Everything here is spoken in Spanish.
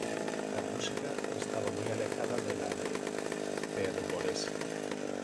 Su música estaba muy alejada de la de Pergolesi.